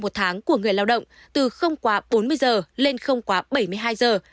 chính phủ đã xây dựng nghị quyết của người lao động từ không quá bốn mươi giờ lên không quá bảy mươi hai giờ